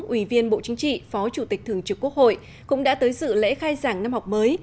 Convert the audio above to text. ủy viên bộ chính trị phó chủ tịch thường trực quốc hội cũng đã tới dự lễ khai giảng năm học mới